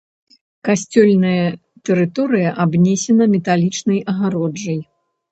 Касцёльная тэрыторыя абнесена металічнай агароджай.